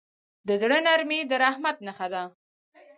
د زړه نرمي د رحمت نښه ده.